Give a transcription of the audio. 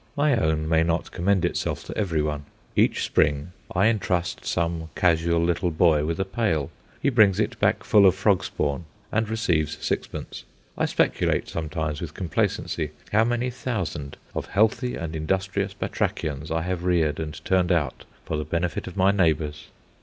My own may not commend itself to every one. Each spring I entrust some casual little boy with a pail; he brings it back full of frog spawn and receives sixpence. I speculate sometimes with complacency how many thousand of healthy and industrious batrachians I have reared and turned out for the benefit of my neighbours.